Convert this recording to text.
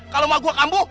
kalau mau gue kambuh